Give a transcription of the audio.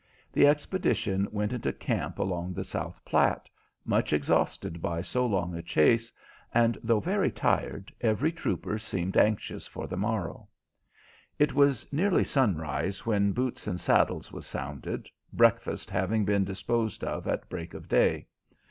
The expedition went into camp along the South Platte, much exhausted by so long a chase, and though very tired, every trooper seemed anxious for the morrow. It was nearly sunrise when "boots and saddles" was sounded, breakfast having been disposed of at break of day.